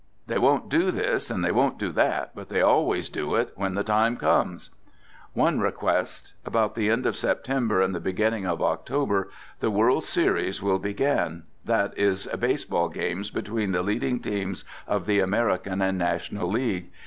They won't do this, and they won't do that, but they al ways do it when the time comes. ... One request — about the end of September and the beginning of October the world's series will begin — that is baseball games between the leading teams of the American and National League.